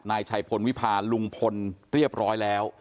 นายชัยพลวิพาลุงพลเรียบร้อยแล้ว